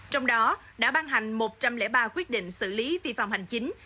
trong đó đã ban hành một trăm linh ba quyết định xử lý vi phạm hành chính